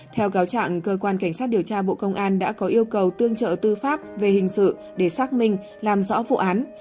theo cáo trạng cơ quan cảnh sát điều tra bộ công an đã có yêu cầu tương trợ tư pháp về hình sự để xác minh làm rõ vụ án